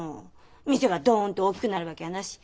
店がどんと大きくなるわけやなし。